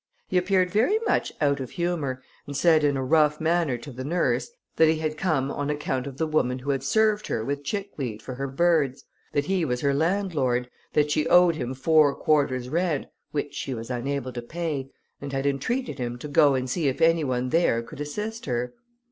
He appeared very much out of humour, and said in a rough manner to the nurse, that he had come on account of the woman who had served her with chickweed for her birds; that he was her landlord; that she owed him four quarters' rent, which she was unable to pay, and had entreated him to go and see if any one there could assist her.